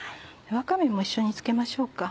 わかめも一緒につけましょうか。